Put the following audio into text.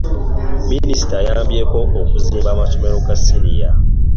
Minisita ayambyeko okuzimba amasomero ga siniya.